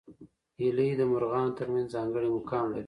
هیلۍ د مرغانو تر منځ ځانګړی مقام لري